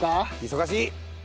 忙しい！